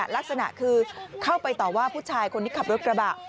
ลักษณะคือเข้าไปต่อว่าผู้ชายคนที่ขับรถกระบะ